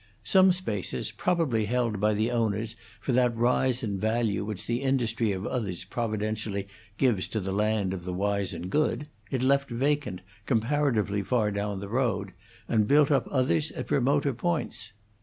Some spaces, probably held by the owners for that rise in value which the industry of others providentially gives to the land of the wise and good, it left vacant comparatively far down the road, and built up others at remoter points.